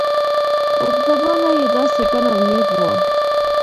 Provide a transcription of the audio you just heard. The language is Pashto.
اوږده باڼه يې داسې گڼ او نېغ وو.